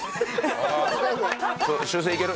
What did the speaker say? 修正いける？